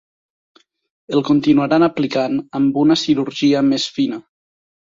El continuaran aplicant amb una ‘cirurgia més fina’.